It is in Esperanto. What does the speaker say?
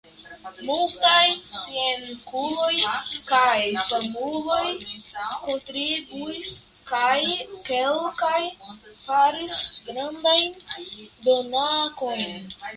Multaj scienculoj kaj famuloj kontribuis kaj kelkaj faris grandajn donacojn.